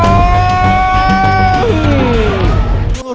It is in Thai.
ร้องได้ให้ล้าง